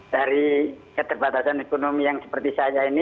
dari keterbatasan ekonomi yang seperti saya ini